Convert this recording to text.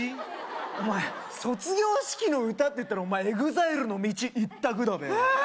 お前卒業式の歌っていったらＥＸＩＬＥの「道」一択だべは！